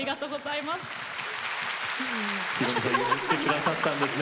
宏美さん譲ってくださったんですね。